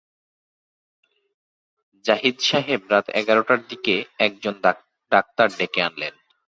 জাহিদ সাহেব রাত এগারটার দিকে একজন ডাক্তার ডেকে আনলেন।